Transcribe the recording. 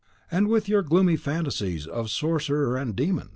Away with your gloomy fantasies of sorcerer and demon!